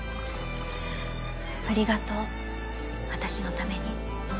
ありがとう私のために。